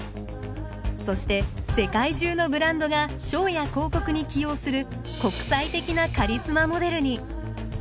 そして世界中のブランドがショーや広告に起用する国際的なカリスマモデルに。